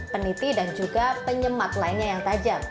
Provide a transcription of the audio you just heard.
peniti dan juga penyemat lainnya yang tajam